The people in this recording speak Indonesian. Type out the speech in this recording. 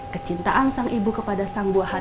kecintaan sang ibu kepada sang buah hati